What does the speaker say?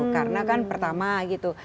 karena kan pertama gitu